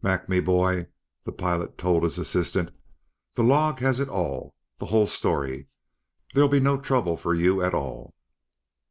"Mac, me bhoy," the pilot told his assistant, "the log has it all, the whole story. There'll be no trouble for you at all."